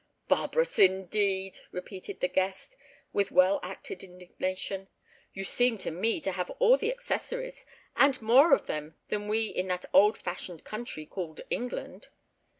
"Barbarous, indeed!" repeated the guest, with well acted indignation. "You seem to me to have all the accessories, and more of them than we in that old fashioned country called England.